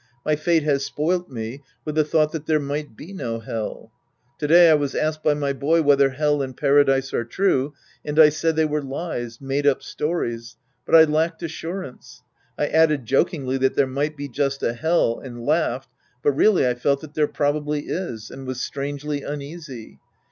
My fate has spoilt me with the thought that there might be no Hell. To day I was asked by my boy whether Hell and Paradise are true and I said they were lies, made up stories, but I lacked assurance. I added jokingly that there might be just a Hell and laughed, but really I felt that there probably is, and was strangely uneasy.